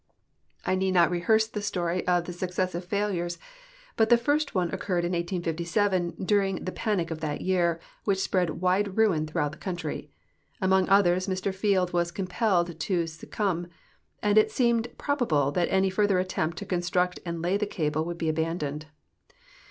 I need not rehearse the story of the successiA'e failures, but the first one occurred in 1857, during the panic of that year, AA'hich spread AA'ide ruin throughout the country. Among others, Mr Field Avas comj)elled to succuml), and it seemed prol)able that any further attempt to construct and lay the cable aa'ouUI l)e abandoned.